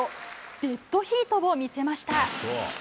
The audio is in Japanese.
デッドヒートを見せました。